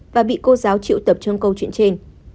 và bị cô giáo triệu tập trong câu chuyện trên